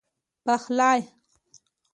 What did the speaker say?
پخلی